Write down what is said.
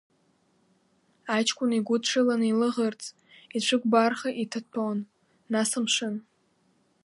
Аҷкәын игәыдшылан илаӷырӡ, ицәыкәбарха иҭаҭәон, нас амшын.